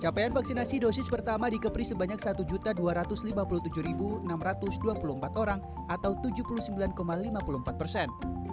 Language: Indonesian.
capaian vaksinasi dosis pertama di kepri sebanyak satu dua ratus lima puluh tujuh enam ratus dua puluh empat orang atau tujuh puluh sembilan lima puluh empat persen